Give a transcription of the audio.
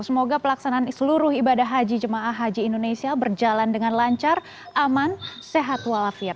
semoga pelaksanaan seluruh ibadah haji jemaah haji indonesia berjalan dengan lancar aman sehat walafiat